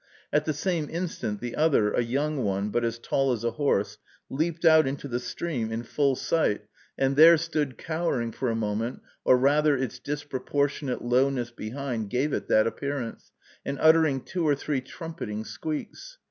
At the same instant, the other, a young one, but as tall as a horse, leaped out into the stream, in full sight, and there stood cowering for a moment, or rather its disproportionate lowness behind gave it that appearance, and uttering two or three trumpeting squeaks.